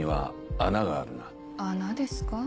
穴ですか？